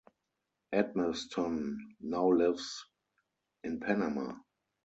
Edmonston now lives in Panama.